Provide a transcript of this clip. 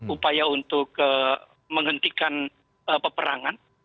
upaya untuk menghentikan peperangan